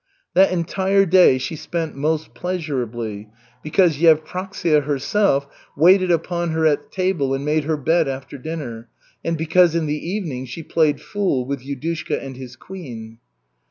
That entire day she spent most pleasurably, because Yevpraksia herself waited upon her at table and made her bed after dinner, and because in the evening she played fool with Yudushka and his queen.